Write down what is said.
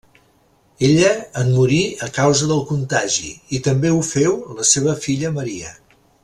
Ella en morí a causa del contagi i també ho féu la seva filla Maria.